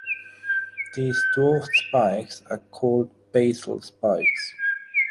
These dwarfed spikes are called "basal spikes".